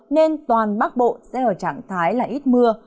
nên toàn bắc bộ sẽ ở trạng thái là ít mưa